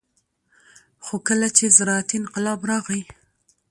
خو کله چې زراعتي انقلاب راغى